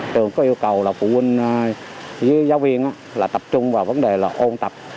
trường có yêu cầu là phụ huynh với giáo viên là tập trung vào vấn đề là ôn tập